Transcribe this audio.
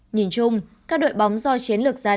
nhìn chung các đội bóng do chiến lược giai đoạn